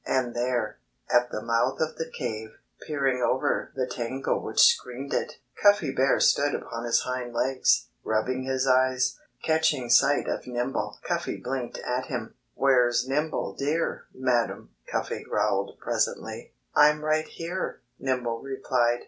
And there, at the mouth of the cave, peering over the tangle which screened it, Cuffy Bear stood upon his hind legs, rubbing his eyes. Catching sight of Nimble, Cuffy blinked at him. "Where's Nimble Deer, madam?" Cuffy Bear growled presently. "I'm right here!" Nimble replied.